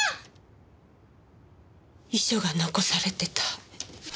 遺書が残されてた。